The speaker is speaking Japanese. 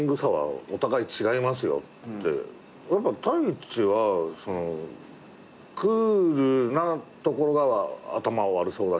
やっぱ太一はクールなところが頭悪そうだし。